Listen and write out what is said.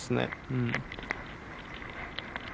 うん。